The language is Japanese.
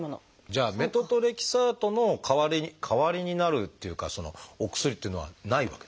じゃあメトトレキサートの代わりに代わりになるっていうかお薬っていうのはないわけですね。